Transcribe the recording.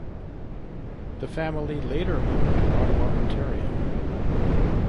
The family later moved to Ottawa, Ontario.